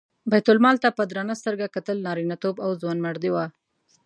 بیت المال ته په درنه سترګه کتل نارینتوب او ځوانمردي وه.